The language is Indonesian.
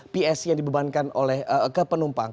psc yang dibebankan oleh penumpang